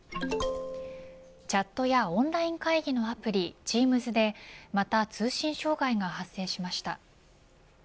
チャットやオンライン会議のアプリＴｅａｍｓでまた、通信障害が発生しました。